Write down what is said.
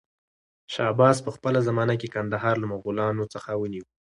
شاه عباس په خپله زمانه کې کندهار له مغلانو څخه ونيو.